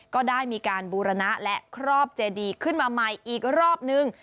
ก็ได้มีการบูรณะและครอบเจดีขึ้นมาใหม่อีกรอบนึง